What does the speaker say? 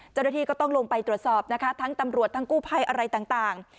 เจ้าหน้าที่ก็ต้องลงไปตรวจสอบนะคะทั้งตำรวจทั้งกู้ภัยอะไรต่าง